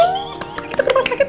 kita ke rumah sakit